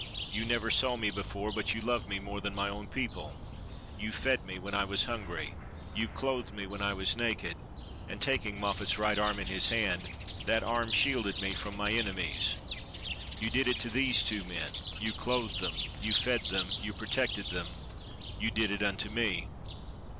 You never saw me before; but you love me more than my own people. You fed me 383 WESTERN AND CENTRAL AFRICA when I was hungry ; you clothed me when I was naked ; and" — taking Moffat's right arm in his hand — "that arm shielded me from my enemies. You did it to these two men, you clothed them, you fed them, you pro tected them — you did it unto me."